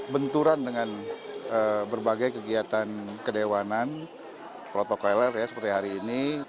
benturan dengan berbagai kegiatan kedewanan protokoler ya seperti hari ini